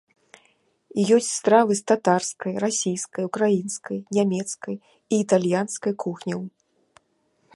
Ёсць стравы з татарскай, расійскай, украінскай, нямецкай і італьянскай кухняў.